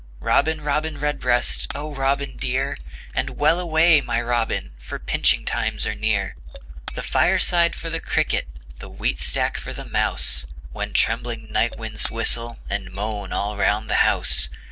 Robin, Robin Redbreast, Oh, Robin, dear! And welaway! my Robin, For pinching times are near. The fireside for the Cricket, The wheatstack for the Mouse, When trembling night winds whistle And moan all round the house.